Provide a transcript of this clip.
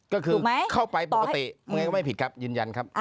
ก็คือเข้าไปปกติมันก็ไม่ผิดครับยืนยันครับ